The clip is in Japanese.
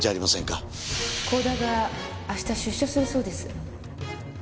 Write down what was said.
甲田が明日出所するそうです。